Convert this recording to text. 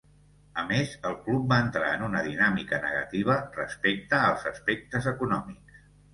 A més, el club va entrar en una dinàmica negativa respecte als aspectes econòmics.